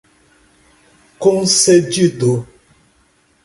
concedido